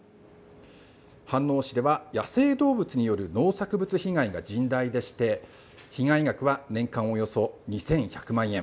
飯能市では、野生動物による農作物被害が甚大でして被害額は年間およそ２１００万円。